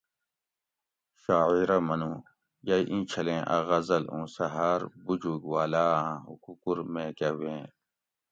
شاعرہ منو: یئ ایں چھلیں اۤ غزل اُوں سہۤ ہاۤر بُجوگ واۤلاۤ آں حکوکور میکہۤ ویں